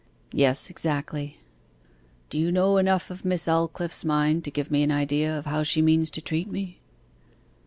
'Yes, exactly.' 'Do you know enough of Miss Aldclyffe's mind to give me an idea of how she means to treat me?